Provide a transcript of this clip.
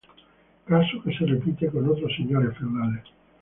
Caso que se repite con otros señores feudales.